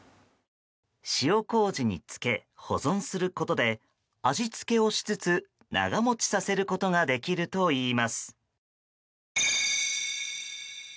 塩麹に漬け保存することで、味付けをしつつ長持ちさせることができるといいます。